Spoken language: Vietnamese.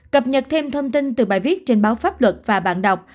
cập nhật thêm thông tin từ bài viết trên báo pháp luật và bạn đọc